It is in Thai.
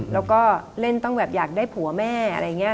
แล้วก็เล่นต้องแบบอยากได้ผัวแม่อะไรอย่างนี้